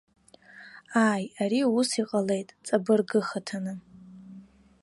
Ааи, ари ус иҟалеит ҵабыргыхаҭаны.